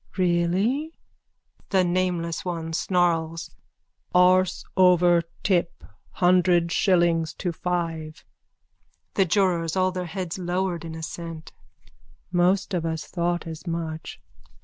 _ Really? THE NAMELESS ONE: (Snarls.) Arse over tip. Hundred shillings to five. THE JURORS: (All their heads lowered in assent.) Most of us thought as much.